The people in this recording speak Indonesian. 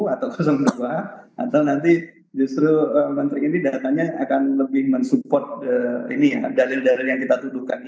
atau dua atau nanti justru menteri ini datanya akan lebih men support dalil dalil yang kita tutupkan